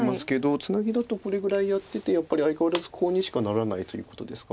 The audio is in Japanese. ツナギだとこれぐらいやっててやっぱり相変わらずコウにしかならないということですか。